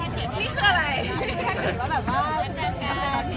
แม่กับผู้วิทยาลัย